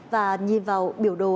và nhìn vào biểu đồ